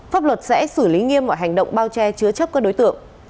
pháp luật sẽ xử lý nghiêm mọi hành động bao che chứa chấp các đối tượng